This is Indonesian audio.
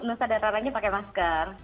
nusa dan rara pakai masker